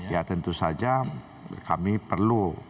ya tentu saja kami perlu